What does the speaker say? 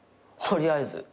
取りあえず。